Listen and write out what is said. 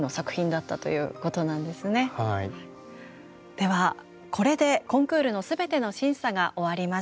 ではこれでコンクールの全ての審査が終わりました。